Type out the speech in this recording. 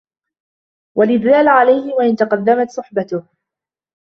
وَالْإِدْلَالَ عَلَيْهِ وَإِنْ تَقَدَّمَتْ صُحْبَتُهُ